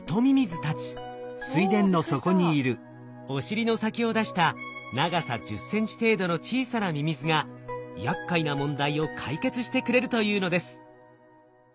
お尻の先を出した長さ１０センチ程度の小さなミミズがやっかいな問題を解決してくれるというのです。